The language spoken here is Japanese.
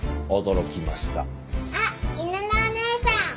あっ犬のおねえさん！